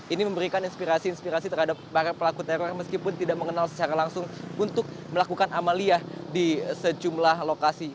ini memberikan inspirasi inspirasi terhadap para pelaku teror meskipun tidak mengenal secara langsung untuk melakukan amaliyah di sejumlah lokasi